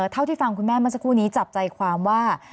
เท่าที่ฟังคุณแม่เมื่อสักครู่นี้จับใจความว่า